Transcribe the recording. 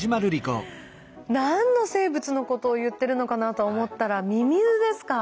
何の生物のことを言ってるのかなと思ったらミミズですか。